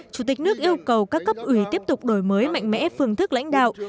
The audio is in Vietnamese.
chủ tịch nước yêu cầu các cấp ủy tiếp tục đổi mới mạnh mẽ phương thức lãnh đạo